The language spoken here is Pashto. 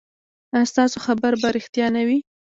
ایا ستاسو خبر به ریښتیا نه وي؟